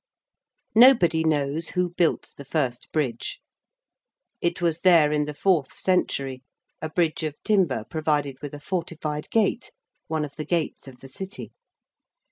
Nobody knows who built the first Bridge. It was there in the fourth century a bridge of timber provided with a fortified gate, one of the gates of the City.